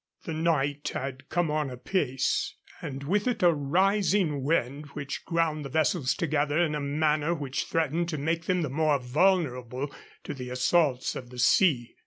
The night had come on apace, and with it a rising wind which ground the vessels together in a manner which threatened to make them the more vulnerable to the assaults of the sea.